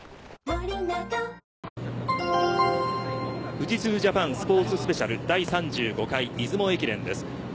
富士通Ｊａｐａｎスポーツスペシャル第３５回出雲駅伝です。